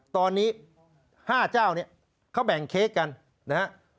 ตอนนี้๕เจ้าเนี่ยเขาแบ่งเค้กกันนะฮะ